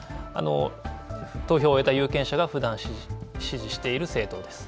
投票を終えた有権者がふだん支持している政党です。